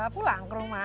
pulang ke rumah